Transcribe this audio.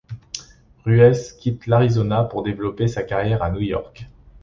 Ruess quitte l'Arizona pour développer sa carrière à New York.